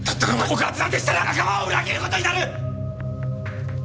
告発なんてしたら仲間を裏切る事になる！